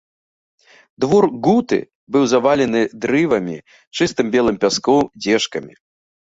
Двор гуты быў завалены дрывамі, чыстым белым пяском, дзежкамі.